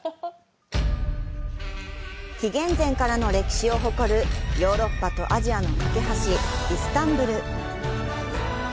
紀元前からの歴史を誇るヨーロッパとアジアの懸け橋イスタンブル。